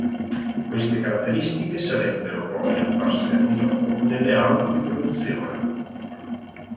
Queste caratteristiche sarebbero poi apparse anni dopo nelle auto di produzione.